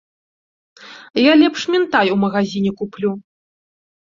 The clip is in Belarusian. Я лепш мінтай ў магазіне куплю.